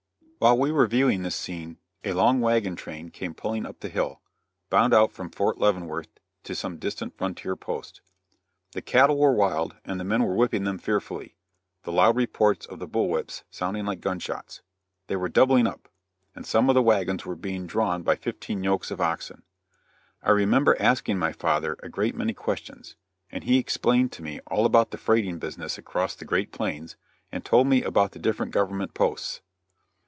While we were viewing this scene, a long wagon train came pulling up the hill, bound out from Fort Leavenworth to some distant frontier post. The cattle were wild and the men were whipping them fearfully, the loud reports of the bull whips sounding like gun shots. They were "doubling up," and some of the wagons were being drawn by fifteen yokes of oxen. I remember asking my father a great many questions, and he explained to me all about the freighting business across the great plains, and told me about the different government posts.